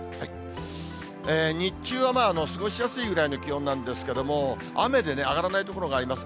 日中はまあ、過ごしやすいくらいの気温なんですけれども、雨でね、上がらない所があります。